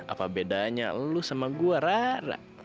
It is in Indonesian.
apa bedanya lu sama gue rara